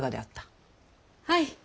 はい。